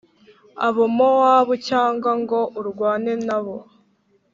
Abamowabu cyangwa ngo urwane na bo,